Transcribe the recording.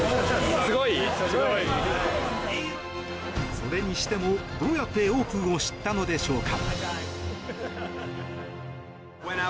それにしてもどうやってオープンを知ったのでしょうか？